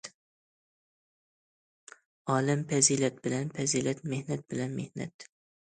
ئالەم پەزىلەت بىلەن پەزىلەت، مېھنەت بىلەن مېھنەت.